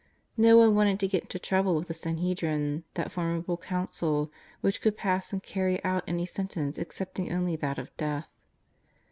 No one wanted to get into trouble with the Sanhedrin, that formidable council which could pass and carry out any sentence excepting only that of death.